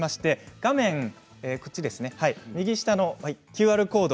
画面右下のＱＲコード